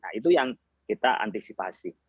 nah itu yang kita antisipasi